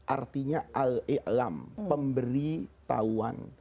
artinya al iklam pemberitahuan